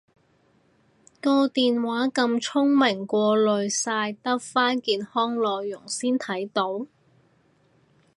個電話咁聰明過濾晒得返健康內容先睇到？